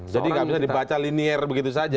jadi tidak bisa dibaca linier begitu saja ya